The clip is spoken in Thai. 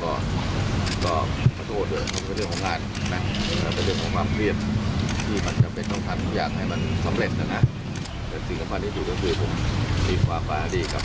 ขอบคุณนะครับ